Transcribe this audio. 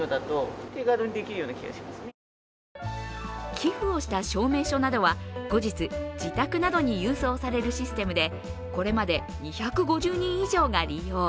寄付をした証明書などは後日、自宅などに郵送されるシステムでこれまで２５０人以上が利用。